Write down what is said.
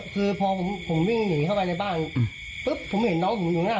คือพอผมวิ่งหนีเข้าไปในบ้านปุ๊บผมเห็นน้องผมอยู่หน้า